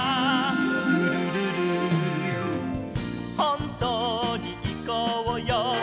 「ルルルル」「ほんとにいこうよ」